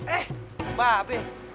eh mbak be